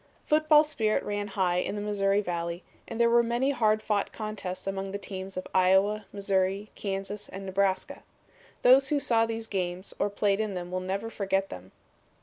"Football spirit ran high in the Missouri Valley and there were many hard fought contests among the teams of Iowa, Missouri, Kansas and Nebraska. Those who saw these games or played in them will never forget them.